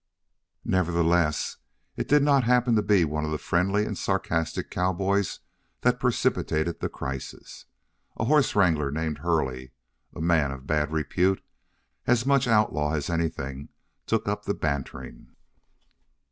Nevertheless, it did not happen to be one of the friendly and sarcastic cowboys that precipitated the crisis. A horse wrangler named Hurley, a man of bad repute, as much outlaw as anything, took up the bantering.